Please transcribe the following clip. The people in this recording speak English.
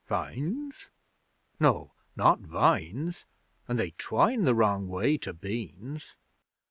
Vines? No, not vines, and they twine the wrong way to beans.'